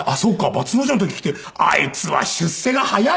松之丞の時来てあいつは出世が早いな。